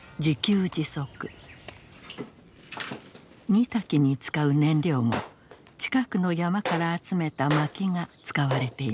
煮炊きに使う燃料も近くの山から集めたまきが使われています。